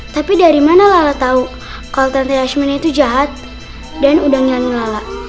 tapi dari mana lala tahu kalau tante yasmin itu jahat dan udah ngilangin lala